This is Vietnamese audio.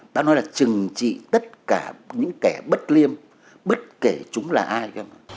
đã nói là trừng trị tất cả những kẻ bất liêm bất kể chúng là ai đâu